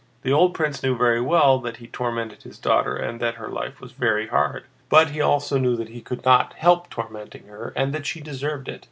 The old prince knew very well that he tormented his daughter and that her life was very hard, but he also knew that he could not help tormenting her and that she deserved it.